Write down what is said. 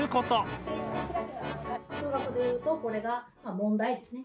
数学で言うとこれが問題ですね。